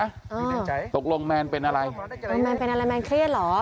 เออตกลงแมนเป็นอะไรแมนเป็นอะไรแมนเครียดเหรอ